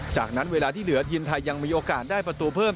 จากนั้นเวลาที่เหลือทีมไทยยังมีโอกาสได้ประตูเพิ่ม